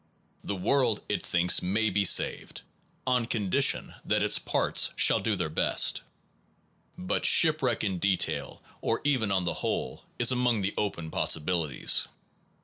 The world, it thinks, may be saved, on condition that its parts shall do their best. But shipwreck in detail, or even on the whole, is among the open possibilities.